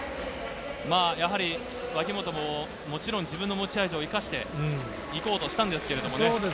脇本ももちろん自分の持ち味を生かして行こうとしたんですけどね。